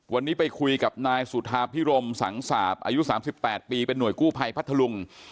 วันนี้ไปคุยกับนายสุธาพิรมสังสาปอายุ๓๘ปีเป็นห่วยกู้ภัยพัทธลุง